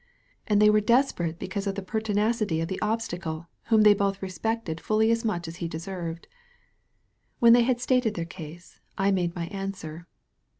And they were desper ate because of the pertinacity of the Obstacle, whom they both respected fully as much as he deserved. When they had stated their case, I made my an swer.